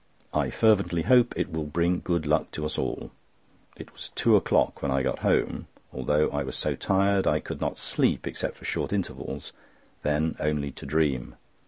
I fervently hope it will bring good luck to us all. It was two o'clock when I got home. Although I was so tired, I could not sleep except for short intervals—then only to dream.